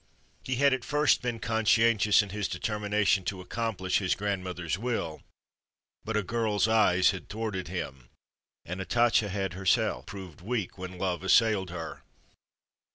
He had, at first, been conscientious in his determination to accomplish his grandmother's will, but a girl's eyes had thwarted him, and Hatatcha had herself proved weak when love assailed her.